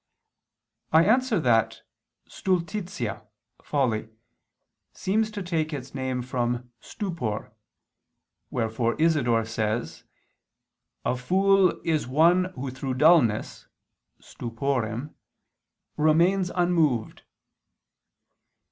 I answer that, Stultitia (Folly) seems to take its name from stupor; wherefore Isidore says (loc. cit.): "A fool is one who through dullness (stuporem) remains unmoved."